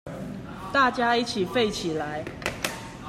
大家一起廢起來